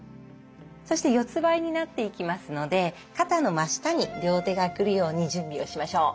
そして四つばいになっていきますので肩の真下に両手が来るように準備をしましょう。